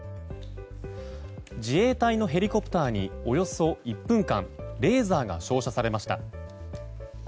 自衛隊のヘリコプターにおよそ１分間レーザーが照射されました。